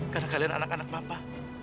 karena kalian adalah anak anak papa